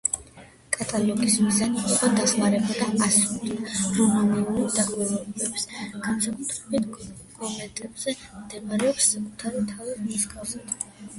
კატალოგის მიზანი იყო დახმარებოდა ასტრონომიულ დამკვირვებლებს, განსაკუთრებით კომეტებზე მონადირეებს, საკუთარი თავის მსგავსად.